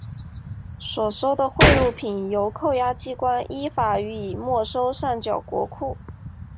所收的贿赂品由扣押机关依法予以没收上缴国库。